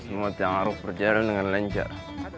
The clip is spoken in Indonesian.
selamat ya aruk berjalan dengan lencah